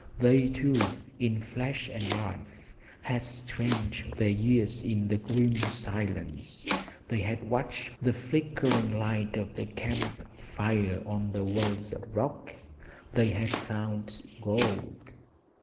They, too, in flesh and life, had strained their ears in the grim silence, they had watched the flickering light of their camp fire on the walls of rock and they had found gold!